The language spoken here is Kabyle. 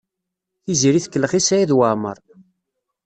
Tiziri tkellex i Saɛid Waɛmaṛ.